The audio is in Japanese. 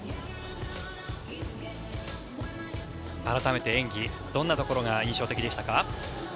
改めて演技どんなところが印象的でしたか。